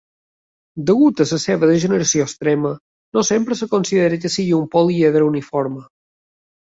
Degut a la seva degeneració extrema, no sempre es considera que sigui un políedre uniforme.